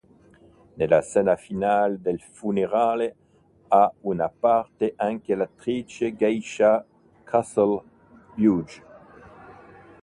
Nella scena finale del funerale ha una parte anche l'attrice Keisha Castle-Hughes.